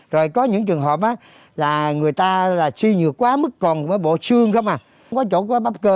rồi có những trường hợp là người ta là suy nhược quá mất còn bộ xương không à không có chỗ có bắp cơ